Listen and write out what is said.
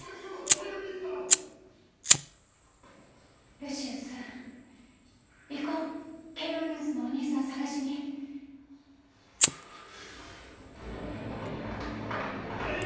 ルシウス行こうケイオニウスのお兄さん捜しにはいや！